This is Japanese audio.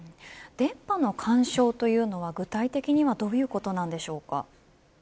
電波の干渉というのは具体的にはどういうことですか。